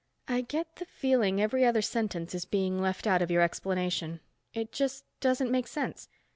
"I get the feeling every other sentence is being left out of your explanation. It just doesn't make sense.